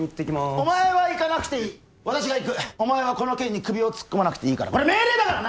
お前は行かなくていい私が行くこの件に首を突っ込まなくていいこれ命令だからな！